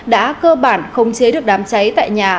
đã cơ bản khống chế được đám cháy tại nhà